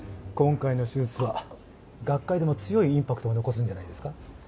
今回の手術は学会でも強いインパクトを残すんじゃないですか？